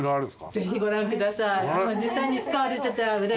ぜひご覧ください。